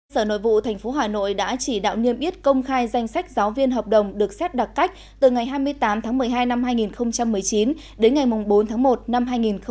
sở nội vụ tp hà nội đã chỉ đạo niêm yết công khai danh sách giáo viên hợp đồng được xét đặc cách từ ngày hai mươi tám tháng một mươi hai năm hai nghìn một mươi chín đến ngày bốn tháng một năm hai nghìn hai mươi